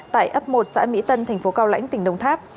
tại ấp một xã mỹ tân tp cao lãnh tỉnh đồng tháp